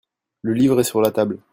Le livre est sur la table.